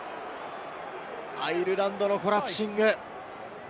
アイルランドのコラプシング。